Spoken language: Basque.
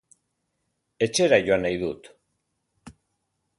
Etxera joan nahi dut.